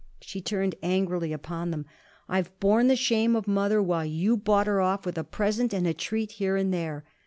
She turned angrily upon them. "I've borne the shame of mother while you bought her off with a present and a treat here and there.